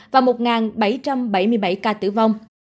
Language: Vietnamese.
và một bảy trăm bảy mươi bảy ca tử vong